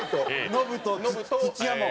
ノブと土屋も？